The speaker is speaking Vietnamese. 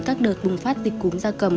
các đợt bùng phát dịch cúm da cầm